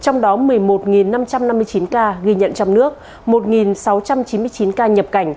trong đó một mươi một năm trăm năm mươi chín ca ghi nhận trong nước một sáu trăm chín mươi chín ca nhập cảnh